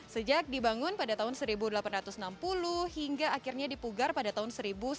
sejak dibangun pada tahun seribu delapan ratus enam puluh hingga akhirnya dipugar pada tahun seribu sembilan ratus sembilan puluh